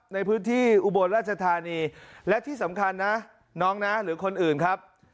ในพื้นที่อุบลราชธานีและที่สำคัญนะน้องนะหรือคนอื่นครับ